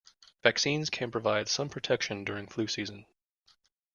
Vaccines can provide some protection during flu season.